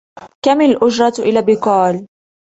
كم الأُجرة إلى بيكول ؟